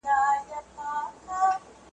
او یو ځل وای په خدایي خلکو منلی `